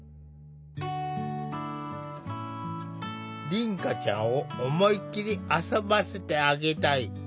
凛花ちゃんを思いっきり遊ばせてあげたい。